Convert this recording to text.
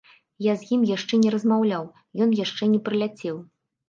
Я з ім яшчэ не размаўляў, ён яшчэ не прыляцеў.